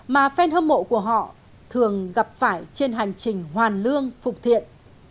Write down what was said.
mà phen hâm mộ của họ thường gặp phải trên hành trình hoàn lương phục thiện